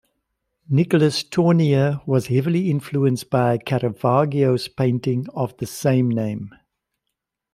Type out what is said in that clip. Nicolas Tournier was heavily influenced by Caravaggio's painting of the same name.